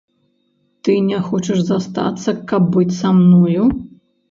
Ты не хочаш застацца, каб быць са мною.